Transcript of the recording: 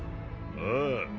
ああ。